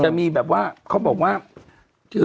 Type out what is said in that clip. จะมีแบบว่าเขาบอกว่าคือ